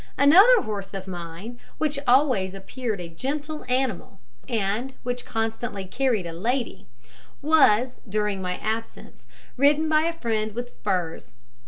Another horse of mine, which always appeared a gentle animal, and which constantly carried a lady, was, during my absence, ridden by a friend with spurs.